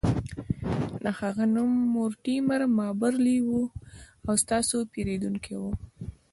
د هغه نوم مورټیمر مابرلي و او ستاسو پیرودونکی و